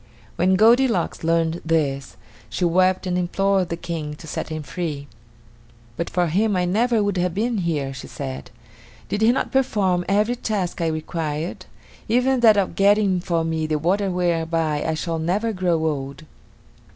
When Goldilocks learned this, she wept and implored the King to set him free. "But for him I never would have been here," she said. "Did he not perform every task I required, even that of getting for me the water whereby I shall never grow old?"